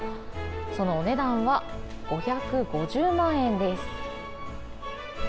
そのお値段は５５０万円です。